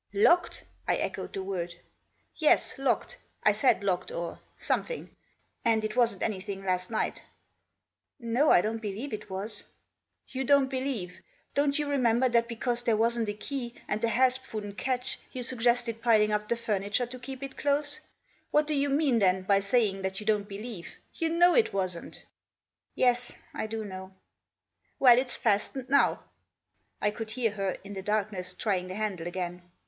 " Locked !" I echoed the word. " Yes, tecked ; I said locked} bf— somethlrig. And it Wasn't ahythiftg last hight" " Na } I doh't believe it Was.' 1 "Yeu don't believe! Doft't yt>u remember that because there wasn't a key, and the hasp wouldn't Digitized by AN ULTIMATUM. 135 catch, you suggested piling up the furniture to keep it close ? What do you mean, then, by saying that you don't believe ? you know it wasn't." " Yes ; I do know." " Well, it's fastened now." I could hear her, in the darkness, trying the handle again.